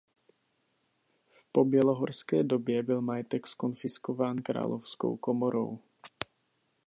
V pobělohorské době byl majetek zkonfiskován královskou komorou.